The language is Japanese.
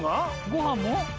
ご飯も？